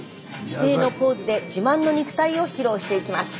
指定のポーズで自慢の肉体を披露していきます。